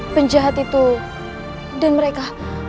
penjahat itu dan mereka